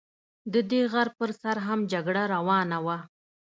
د دې غر پر سر هم جګړه روانه وه.